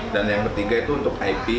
dan yang ketiga itu untuk ip